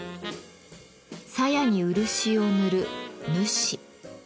鞘に漆を塗る「塗師」。